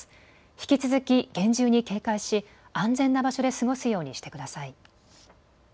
引き続き厳重に警戒し安全な場所で過ごすようにしてください。